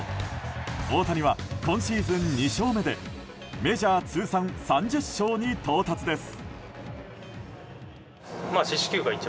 大谷は今シーズン２勝目でメジャー通算３０勝に到達です。